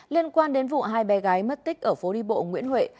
liên quan đến vụ hai bé gái mất tích ở phố đi bộ nguyễn huệ